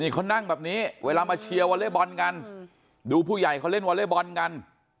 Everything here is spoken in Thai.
เขานั่งแบบนี้เวลามาเชียร์วอเล็กบอลกันดูผู้ใหญ่เขาเล่นวอเล็กบอลกัน